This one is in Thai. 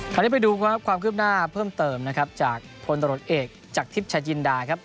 ไปดูความคืบหน้าเพิ่มเติมนะครับจากพลตรวจเอกจากทิพย์ชายจินดาครับ